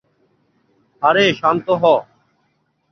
আরে শান্ত হ।